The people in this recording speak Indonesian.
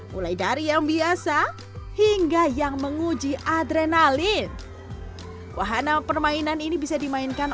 mulai dari yang biasa hingga yang menguji adrenalin wahana permainan ini bisa dimainkan